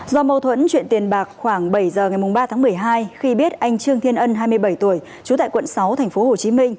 do mâu thuẫn chuyện tiền bạc khoảng bảy giờ ngày ba tháng một mươi hai khi biết anh trương thiên ân hai mươi bảy tuổi trú tại quận sáu tp hcm